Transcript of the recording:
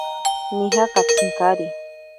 Nija katsinkari.